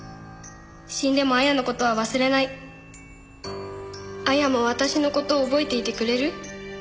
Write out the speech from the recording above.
「死んでも亜矢のことは忘れない」「亜矢も私のことを覚えていてくれる」